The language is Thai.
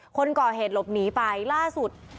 คนก่อเหตุหลบหนีไปล่าสุด